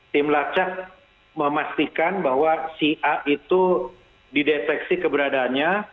tim lacak memastikan bahwa si a itu dideteksi keberadaannya